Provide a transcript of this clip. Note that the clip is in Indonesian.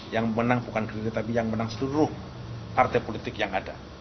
yang menang bukan gerindra tapi yang menang seluruh partai politik yang ada